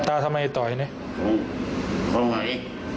แต่ทำไมต่อยเนี่ย